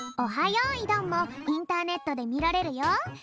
よいどん」もインターネットでみられるよ。